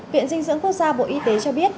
viện dinh dưỡng quốc gia bộ y tế cho biết